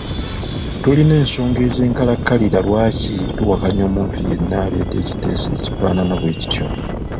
Tulina ensonga ez’enkalakkalira lwaki tuwakanya omuntu yenna aleeta ekiteeso ekifaanana bwekityo.